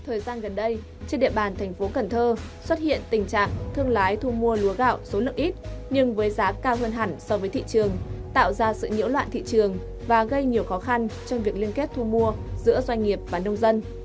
thời gian gần đây trên địa bàn thành phố cần thơ xuất hiện tình trạng thương lái thu mua lúa gạo số lượng ít nhưng với giá cao hơn hẳn so với thị trường tạo ra sự nhiễu loạn thị trường và gây nhiều khó khăn trong việc liên kết thu mua giữa doanh nghiệp và nông dân